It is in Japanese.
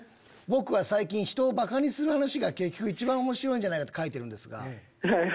「僕は最近人をバカにする話が結局一番面白いんじゃないか」と書いてるんですが。